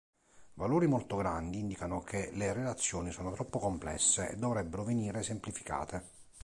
Valori molto grandi indicato che le relazioni sono troppo complesse e dovrebbero venire semplificate.